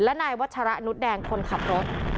และนายวัชระนุษย์แดงคนขับรถ